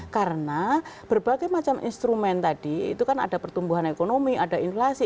karena berbagai macam instrumen tadi itu kan ada pertumbuhan ekonomi ada inflasi